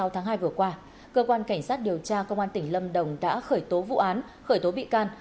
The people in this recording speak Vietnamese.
hai mươi tháng hai vừa qua cơ quan cảnh sát điều tra công an tỉnh lâm đồng đã khởi tố vụ án khởi tố bị can